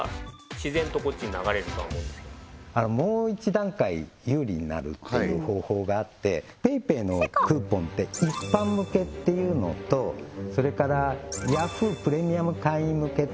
自然とこっちに流れるとは思うんですけどもう一段階有利になるっていう方法があってＰａｙＰａｙのクーポンって一般向けっていうのとそれからＹａｈｏｏ！プレミアム会員向けっていう